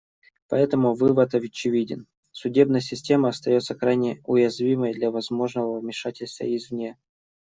Поэтому вывод очевиден: судебная система остается крайне уязвимой для возможного вмешательства извне.